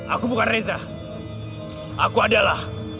aku bukan reza aku adalah